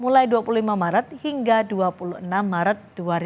mulai dua puluh lima maret hingga dua puluh enam maret dua ribu dua puluh